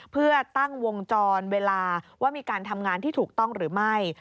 เพื่อตั้งวงจรเวลาว่ามีการทำงานที่ถูกต้องหรือไม่